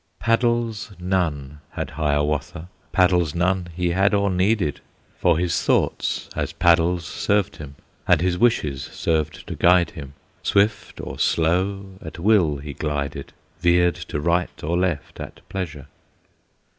Paddles none had Hiawatha, Paddles none he had or needed, For his thoughts as paddles served him, And his wishes served to guide him; Swift or slow at will he glided, Veered to right or left at pleasure.